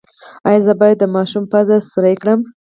ایا زه باید د ماشوم پوزه سورۍ کړم؟